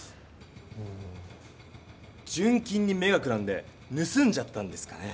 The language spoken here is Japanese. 純金に目がくらんでぬすんじゃったんですかね？